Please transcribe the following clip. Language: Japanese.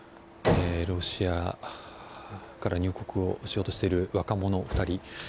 ロシアから入国をしようとしている若者２人。